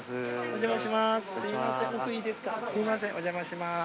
お邪魔します。